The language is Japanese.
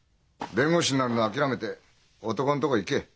弁護士になるのは諦めて男んとこ行け。